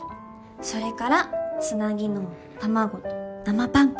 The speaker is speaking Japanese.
それからつなぎの卵と生パン粉。